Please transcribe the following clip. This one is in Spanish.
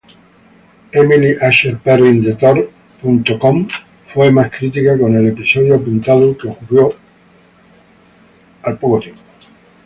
Emily Asher-Perrin de Tor.com fue más crítica con el episodio, apuntando que ocurrió poco.